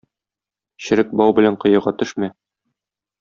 Черек бау белән коега төшмә.